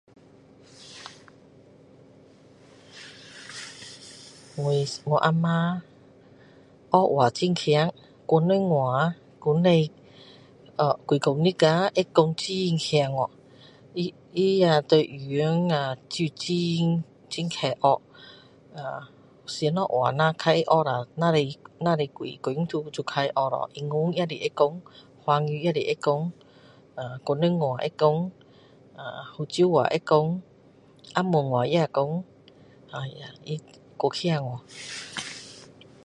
我我阿妈学话很厉害广东话不用呃几个月呀会讲很厉害去她她呀对语言啊就就是很快学呃什么话若被她学下只是只是几天就就被她学到英文也是会讲华语也是会讲呃广东话会讲呃福州话会说福建话也会讲哎呀她太厉害吖